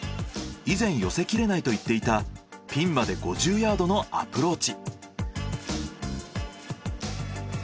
以前寄せきれないと言っていたピンまで５０ヤードのアプローチ。